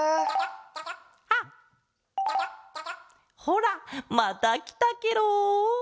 ほらまたきたケロ。